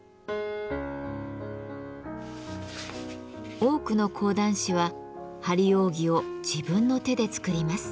多くの講談師は張り扇を自分の手で作ります。